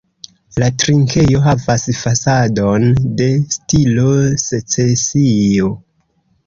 La trinkejo havas fasadon de stilo secesio.